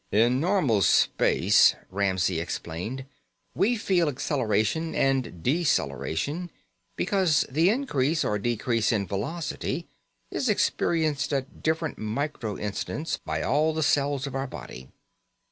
"In normal space," Ramsey explained, "we feel acceleration and deceleration because the increase or decrease in velocity is experienced at different micro instants by all the cells of our body.